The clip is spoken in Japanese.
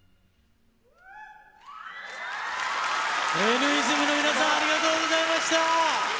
Ｎ’ｉｓｍの皆さん、ありがとうございました。